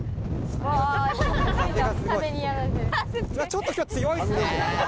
ちょっと今日強いっすね。